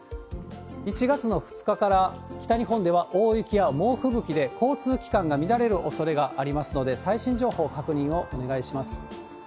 １月の２日から、北日本では大雪や猛吹雪で、交通機関が乱れるおそれがありますので、最新情報確認をお願いします。